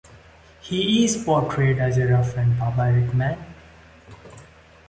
He is portrayed as a rough and barbaric man.